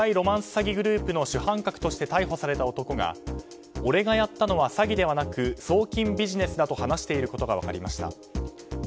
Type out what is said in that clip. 詐欺グループの主犯格として逮捕された男が俺がやったのは詐欺ではなく送金ビジネスだと話していることが分かりました。